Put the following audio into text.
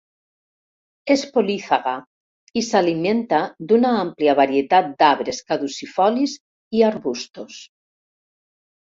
És polífaga i s'alimenta d'una àmplia varietat d'arbres caducifolis i arbustos.